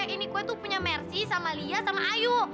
ini kue tuh punya mercy sama lia sama ayu